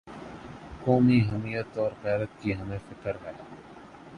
قومی حمیت اور غیرت کی ہمیں فکر ہے۔